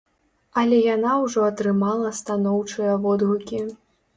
Але яна ўжо атрымала станоўчыя водгукі.